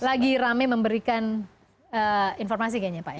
lagi rame memberikan informasi kayaknya pak ya